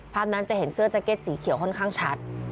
ภาพนั้นจะเห็นเสื้อแจ็ตสีเขียวค่อนข้างชัด